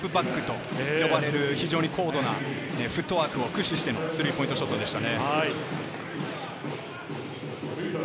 ステップバックと呼ばれる非常に高度なフットワークを駆使してのスリーポイントシュートでした。